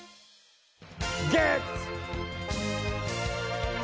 ゲッツ！